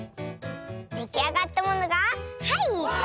できあがったものがはいこちらです！